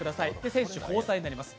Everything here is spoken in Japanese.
選手交代になります。